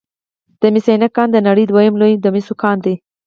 د مس عینک کان د نړۍ دویم لوی د مسو کان دی